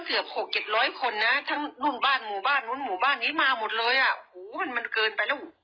เกือบหกเจ็ดร้อยคนนะทั้งรุ่นบ้านหมู่บ้านนู้นหมู่บ้านนี้มาหมดเลยอ่ะโหมันมันเกินไปแล้ว